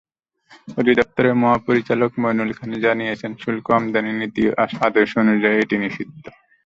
অধিদপ্তরের মহাপরিচালক মইনুল খান জানিয়েছেন, শুল্ক আমদানি নীতি আদেশ অনুযায়ী এটি নিষিদ্ধ।